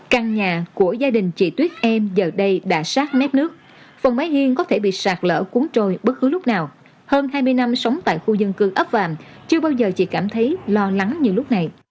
căn nhà của gia đình chị tuyết em giờ đây đã sát mép nước phần mái hiên có thể bị sạt lở cuốn trôi bất cứ lúc nào hơn hai mươi năm sống tại khu dân cư ấp vàm chưa bao giờ chị cảm thấy lo lắng như lúc này